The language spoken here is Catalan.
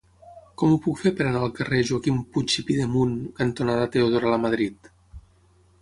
Com ho puc fer per anar al carrer Joaquim Puig i Pidemunt cantonada Teodora Lamadrid?